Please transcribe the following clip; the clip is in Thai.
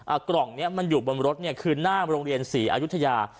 กล่องเนี้ยมันอยู่บนรถเนี่ยคือหน้าโรงเรียนศรีอายุทยา